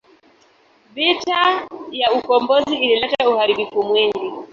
Vita ya ukombozi ilileta uharibifu mwingi.